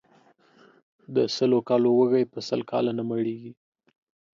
د سلو کالو وږى ، په سل کاله نه مړېږي.